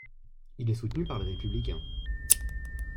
Il est soutenu par Les Républicains.